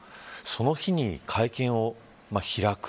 その日に会見を開く。